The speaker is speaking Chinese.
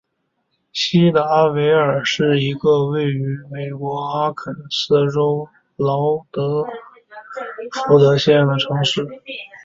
锡达尔维尔是一个位于美国阿肯色州克劳福德县的城市。